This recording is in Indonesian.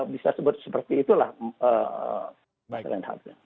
bisa sebut seperti itulah